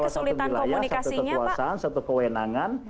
satu wilayah satu kekuasaan satu kewenangan